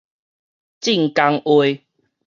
晉江話